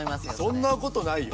そんなことないよ！